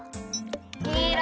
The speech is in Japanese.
きいろ！